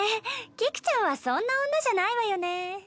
菊ちゃんはそんな女じゃないわよね。